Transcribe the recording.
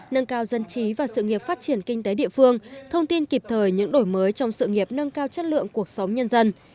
nâng cao dân trí và sự nghiệp phát triển kinh tế địa phương thông tin kịp thời những đổi mới trong sự nghiệp nâng cao chất lượng cuộc sống nhân dân